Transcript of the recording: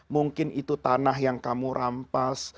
mungkin itu tanah yang kamu rampas